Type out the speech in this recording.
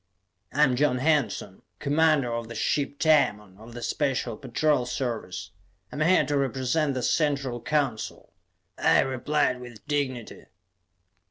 "I am John Hanson, commander of the ship Tamon of the Special Patrol Service. I am here to represent the Central Council," I replied with dignity.